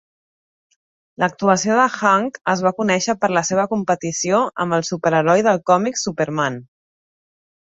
L'actuació de Hank es va conèixer per la seva competició amb el superheroi de còmic Superman.